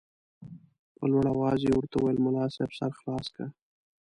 په لوړ اواز یې ورته وویل ملا صاحب سر خلاص که.